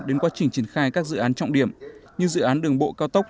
đến quá trình triển khai các dự án trọng điểm như dự án đường bộ cao tốc